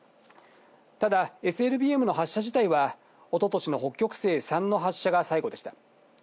ただ、ＳＬＢＭの発射自体は、おととしの北極星３の発射が最後でした。